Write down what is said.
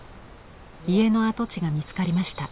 家の跡地が見つかりました。